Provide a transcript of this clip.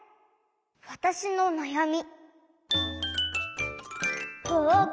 「わたしのなやみ」。